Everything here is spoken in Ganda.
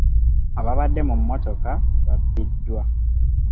Abaabadde mu mmotoka babbiddwa.